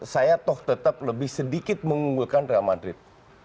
saya toh tetap lebih sedikit mengunggulkan real madrid